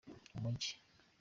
umujyi.